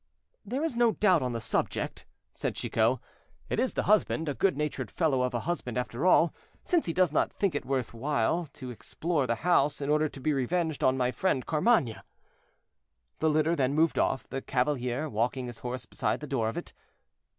"There is no doubt on the subject," said Chicot, "it is the husband, a good natured fellow of a husband after all, since he does not think it worth his while to explore the house in order to be revenged on my friend Carmainges." The litter then moved off, the cavalier walking his horse beside the door of it.